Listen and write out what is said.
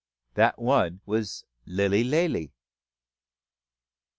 That one was Lilly Lalee.